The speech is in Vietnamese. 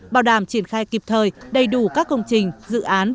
bảo đảm triển khai kịp thời đầy đủ các công trình dự án